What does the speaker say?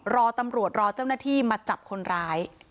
รอตำรวจรอเจ้าหน้าที่มาจับคนร้าย